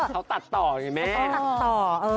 เขาตัดต่อไงแม่